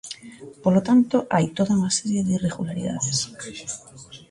Polo tanto, hai toda unha serie de irregularidades.